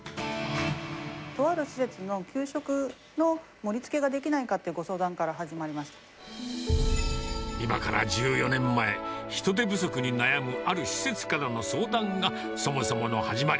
とある施設の給食の盛りつけができないかというご相談から始今から１４年前、人手不足に悩むある施設からの相談がそもそもの始まり。